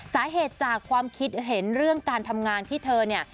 สาเหตุจากความคิดเห็นเรื่องการทำงานที่เธอเนี่ย